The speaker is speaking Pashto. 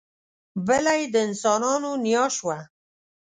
بله یې د انسانانو نیا شوه.